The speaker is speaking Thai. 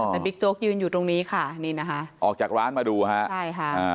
แต่บิ๊กโจ๊กยืนอยู่ตรงนี้ค่ะนี่นะคะออกจากร้านมาดูฮะใช่ค่ะอ่า